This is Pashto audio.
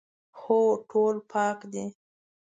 هو، ټول پاک دي